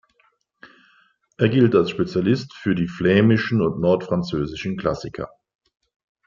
Er gilt als Spezialist für die flämischen und nordfranzösischen Klassiker.